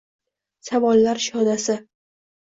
Savollar shodasi